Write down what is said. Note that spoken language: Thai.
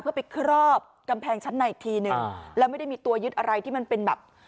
เพื่อไปครอบกำแพงชั้นในอีกทีหนึ่งแล้วไม่ได้มีตัวยึดอะไรที่มันเป็นแบบ